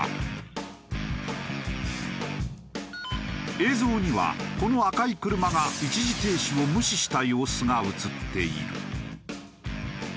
映像にはこの赤い車が一時停止を無視した様子が映っている。